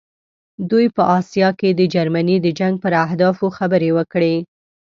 دوی په آسیا کې د جرمني د جنګ پر اهدافو خبرې وکړې.